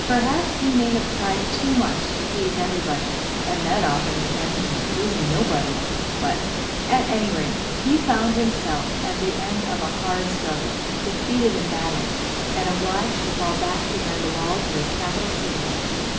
Perhaps he may have tried too much to please everybody, and that often ends in pleasing nobody; but, at any rate, he found himself, at the end of a hard struggle, defeated in battle, and obliged to fall back behind the walls of his capital city.